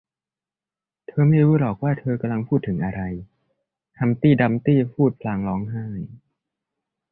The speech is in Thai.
เธอไม่รู้หรอกว่าเธอกำลังพูดถึงอะไร ฮัมพ์ตี้ดัมพ์ตี้พูดพลางร้องไห้